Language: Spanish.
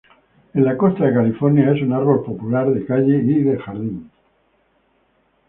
En la costa de California, es un árbol popular de calle y de jardín.